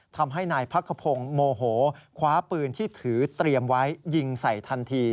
ทำให้นายพักขพงศ์โมโหคว้าปืนที่ถือเตรียมไว้ยิงใส่ทันที